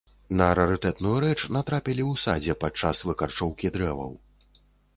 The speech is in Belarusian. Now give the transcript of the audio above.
На рарытэтную рэч натрапілі ў садзе падчас выкарчоўкі дрэваў.